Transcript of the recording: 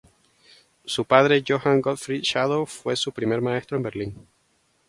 Su padre, Johann Gottfried Schadow fue su primer maestro en Berlín.